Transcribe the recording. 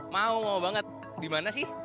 mau mau banget dimana sih